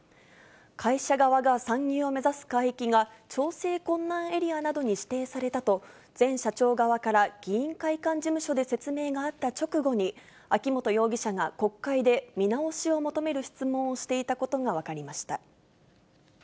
会社側が参入を目指す海域が、調整困難エリアなどに指定されたと、前社長側から、議員会館事務所で説明があった直後に、秋本容疑者が国会で見直しを求める質問をしていたことが分かりました。